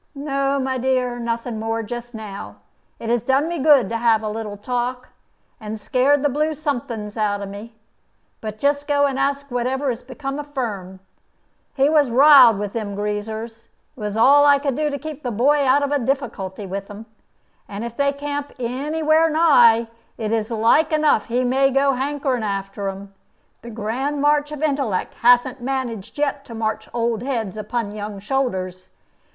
"No, my dear, nothing more just now. It has done me good to have a little talk, and scared the blue somethings out of me. But just go and ask whatever is become of Firm. He was riled with them greasers. It was all I could do to keep the boy out of a difficulty with them. And if they camp any where nigh, it is like enough he may go hankerin' after them. The grand march of intellect hathn't managed yet to march old heads upon young shoulders.